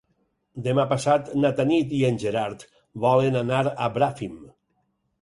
Demà passat na Tanit i en Gerard volen anar a Bràfim.